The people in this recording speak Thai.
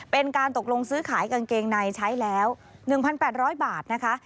เป็นการตกลงซื้อขายกางเกงในใช้แล้ว๑๘๐๐บาทนะคะ